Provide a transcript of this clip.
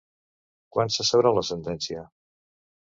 Quan se sabrà la sentència?